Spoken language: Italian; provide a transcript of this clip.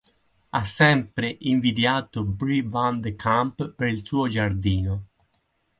Ha sempre invidiato Bree Van de Kamp per il suo giardino.